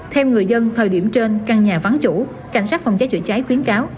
theo người dân thời điểm trên căn nhà vắng chủ cảnh sát phòng cháy chữa cháy khuyến cáo